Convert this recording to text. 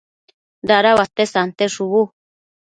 dada uate sante shubu